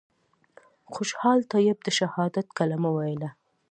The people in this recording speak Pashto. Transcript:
خوشحال طیب د شهادت کلمه ویله.